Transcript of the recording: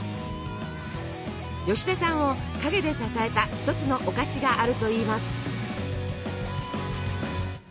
吉田さんを陰で支えた一つのお菓子があるといいます。